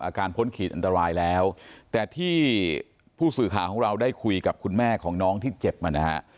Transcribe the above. พ้นขีดอันตรายแล้วแต่ที่ผู้สื่อข่าวของเราได้คุยกับคุณแม่ของน้องที่เจ็บมานะฮะ